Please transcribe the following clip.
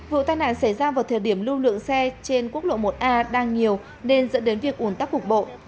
vụ tai nạn xảy ra vào thời điểm lưu lượng xe trên quốc lộ một a đang nhiều nên dẫn đến việc ủn tắc cục bộ